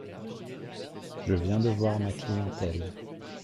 Je viens de voir ma clientèle.